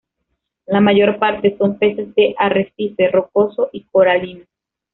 La mayor parte son peces de arrecife rocoso y coralino.